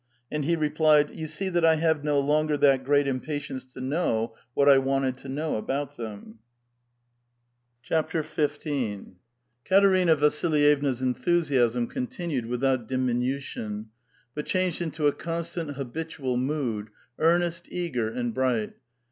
And he replied, "Yon see that I have no longer that great impatience to know what I wanted to know about them." XV. Katerina Vasilyevna's enthusiasm continued without dimi nution, but changed into a constant, habitual mood, earnest, .eager, and bright.